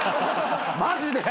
マジで。